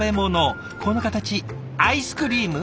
この形アイスクリーム？